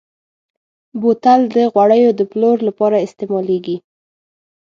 بوتل د غوړیو د پلور لپاره استعمالېږي.